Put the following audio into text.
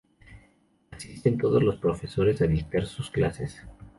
Asisten todos los Profesores a dictar sus clases.